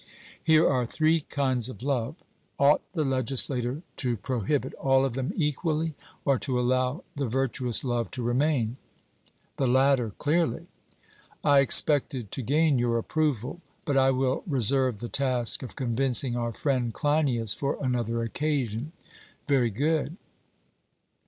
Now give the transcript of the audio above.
Here are three kinds of love: ought the legislator to prohibit all of them equally, or to allow the virtuous love to remain? 'The latter, clearly.' I expected to gain your approval; but I will reserve the task of convincing our friend Cleinias for another occasion. 'Very good.'